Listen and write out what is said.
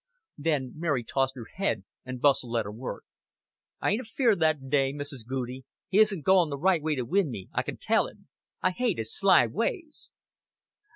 Then Mary tossed her head and bustled at her work. "I ain't afeard o' that day, Mrs. Goudie. He isn't going the right way to win me, I can tell him. I hate his sly ways."